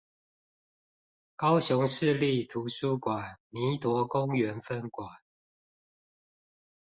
高雄市立圖書館彌陀公園分館